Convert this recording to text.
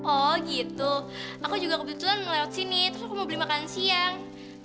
oh gitu aku juga kebetulan lewat sini terus aku mau beli makan siang